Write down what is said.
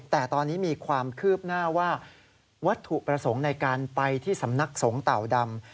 แต่ตอนนี้มีความคืบหน้าว่าวัตถุประสงค์ในการไปที่สำนักสงฆ์เต่าดำ